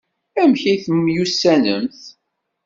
Amek ay temyussanemt?